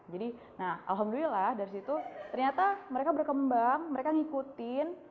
jadi alhamdulillah dari situ ternyata mereka berkembang mereka ngikutin